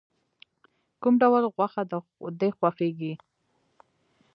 کوم ډول غوښه د خوښیږی؟